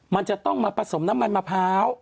มันจะต้องมาผสมน้ำมันมะพร้าว